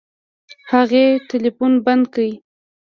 هغې ټلفون بند کړ.